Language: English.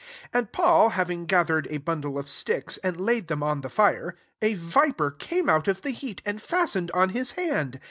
3 And Paul, having gathered a bundle of sticks, and laid them on the fire, a viper came out of the heat, and fastened on his hand.